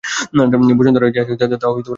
বসন্ত রায় যে আসিয়াছেন, তাহা উদয়াদিত্য জানেন না।